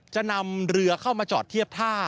จะนำเรือเข้ามาจอดเทียบท่า